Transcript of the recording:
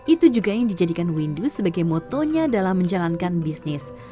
itu juga yang dijadikan windu sebagai motonya dalam menjalankan bisnis